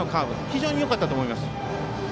非常によかったと思います。